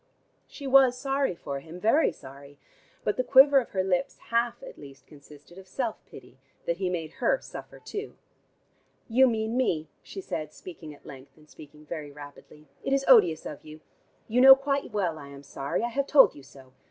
She was sorry for him, very sorry, but the quiver of her lips half at least consisted of self pity that he made her suffer too. "You mean me," she said, speaking at length, and speaking very rapidly. "It is odious of you. You know quite well I am sorry: I have told you so.